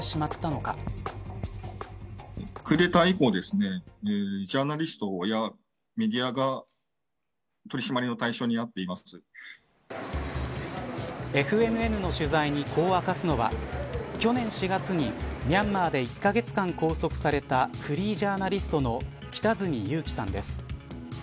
ＦＮＮの取材にこう明かすのは去年４月にミャンマーで１カ月間拘束されたフリージャーナリストの北角裕樹さんです。